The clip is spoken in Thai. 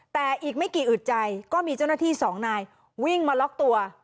แต่อีกไม่กี่อึดใจก็มีเจ้าหน้าที่สองนายวิ่งมาล็อกตัว